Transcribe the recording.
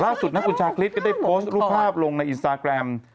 สุดนักคุณชาคริสก็ได้โพสต์รูปภาพลงในอินสตาแกรม